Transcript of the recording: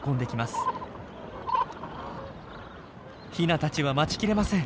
ヒナたちは待ちきれません。